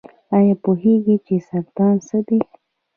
ایا پوهیږئ چې سرطان څه دی؟